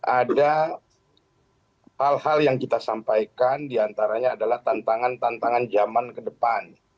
ada hal hal yang kita sampaikan diantaranya adalah tantangan tantangan zaman ke depan